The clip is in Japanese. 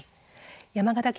山形県